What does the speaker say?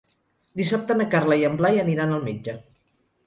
Dissabte na Carla i en Blai aniran al metge.